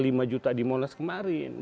yang dimolos kemarin